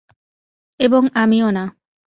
এবং আমিও না।